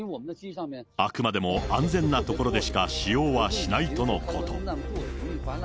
あくまでも安全な所でしか使用はしないとのこと。